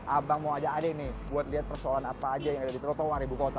abang mau ajak adik nih buat lihat persoalan apa aja yang ada di trotoar ibu kota